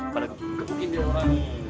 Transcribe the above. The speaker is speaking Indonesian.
pada kepukin dia orang